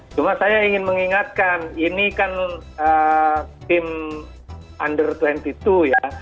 cuma saya ingin mengingatkan ini kan tim under dua puluh dua ya